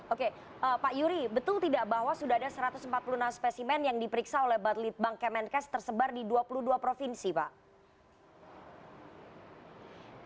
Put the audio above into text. oke pak yuri betul tidak bahwa sudah ada satu ratus empat puluh enam spesimen yang diperiksa oleh balitbank kemenkes tersebar di dua puluh dua provinsi pak